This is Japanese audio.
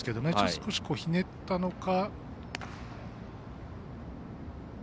少しひねったのか。